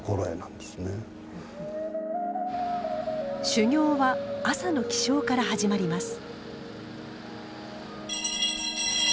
修行は朝の起床から始まります。